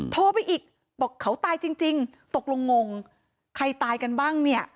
โทรไปอีกบอกเขาตายจริงตกลงงงใครตายกันบ้างเนี่ย